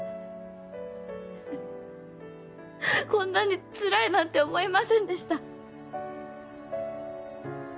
こんなにつらいなんて思いませんでした